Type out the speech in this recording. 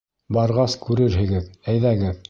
— Барғас күрерһегеҙ, әйҙәгеҙ.